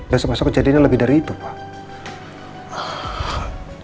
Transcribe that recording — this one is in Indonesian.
biasa biasa kejadiannya lebih dari itu pak